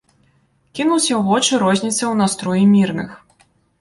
Кінулася ў вочы розніца ў настроі мірных.